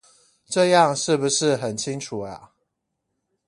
這樣是不是很清楚呀？